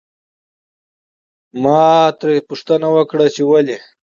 ما ترې تپوس وکړو چې ولې؟